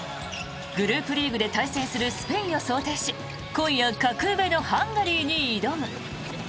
グループリーグで対戦するスペインを想定し今夜、格上のハンガリーに挑む。